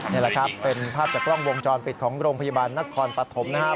นี่แหละครับเป็นภาพจากกล้องวงจรปิดของโรงพยาบาลนครปฐมนะครับ